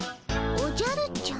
おじゃるちゃん？